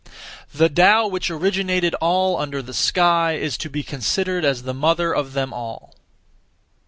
(The Tao) which originated all under the sky is to be considered as the mother of them all.